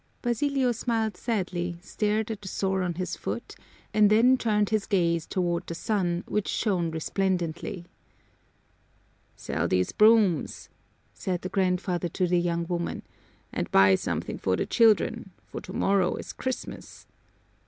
Basilio smiled sadly, stared at the sore on his foot, and then turned his gaze toward the sun, which shone resplendently. "Sell these brooms," said the grandfather to the young woman, "and buy something for the children, for tomorrow is Christmas."